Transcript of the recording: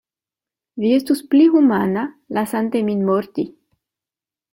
Vi estus pli humana, lasante min morti.